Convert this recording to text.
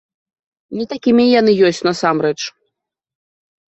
Не такімі яны ёсць насамрэч.